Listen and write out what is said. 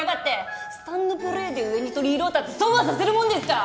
スタンドプレーで上に取り入ろうったってそうはさせるもんですか！